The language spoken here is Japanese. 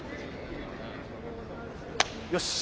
よし！